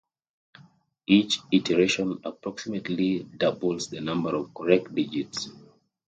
Each iteration approximately doubles the number of correct digits.